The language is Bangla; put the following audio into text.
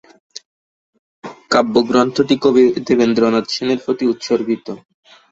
কাব্যগ্রন্থটি কবি দেবেন্দ্রনাথ সেনের প্রতি উৎসর্গিত।